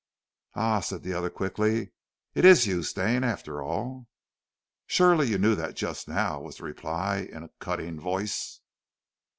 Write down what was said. "Ah!" said the other quickly. "It is you, Stane, after all!" "Surely you knew that just now?" was the reply in a cutting voice.